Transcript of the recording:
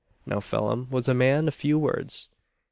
Now Phelim was a man of few words.